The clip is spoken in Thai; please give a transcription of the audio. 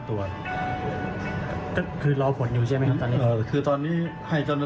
ตรวจผลและก็รอผลจาก